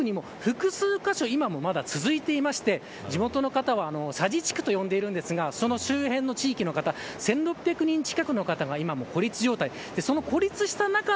こういった場所が奥にも複数箇所今もまだ続いていて地元の方は佐治地区と呼んでいますがその周辺の地域の方１６００人近くの方が孤立状態です。